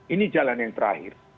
ini jalan yang terakhir